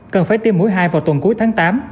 cần phải tiêm mũi hai vào tuần cuối tháng tám